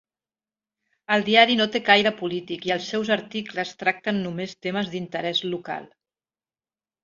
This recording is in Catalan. El diari no té caire polític i els seus articles tracten només temes d'interès local.